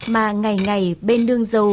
mà ngày ngày bên nương dâu